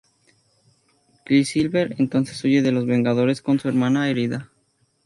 Quicksilver entonces huye de Los Vengadores con su hermana herida.